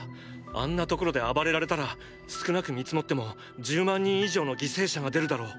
あんな所で暴れられたら少なく見積もっても１０万人以上の犠牲者が出るだろう。